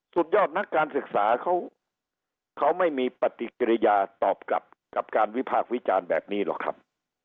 สุดยอดนักการศึกษาเขาไม่มีปฏิกิริยาตอบกลับกับการวิพากษ์วิจารณ์แบบนี้หรอกครับ